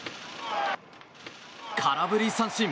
空振り三振。